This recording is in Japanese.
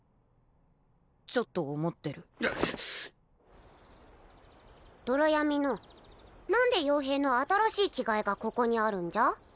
ちょっと思ってるうっ泥闇の何で傭兵の新しい着替えがここにあるんじゃ？